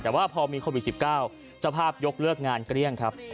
แต่ว่าพอมีโควิด๑๙เจ้าภาพยกเลิกงานเกลี้ยงครับ